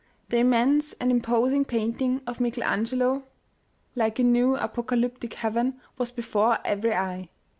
The immense and imposing painting of Michael Angelo, like a new apocalyptic heaven, was before every eye.